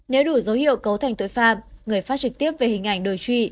nếu đủ dấu hiệu cấu thành tội phạm người phát trực tiếp về hình ảnh đối trụy